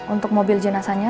untuk mobil jenazahnya